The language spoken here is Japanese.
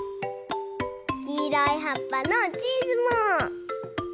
きいろいはっぱのチーズも。